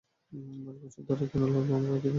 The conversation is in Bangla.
মাস, বছর ধরে কেস লড়বো আমরা, কী প্রমান করার জন্যে?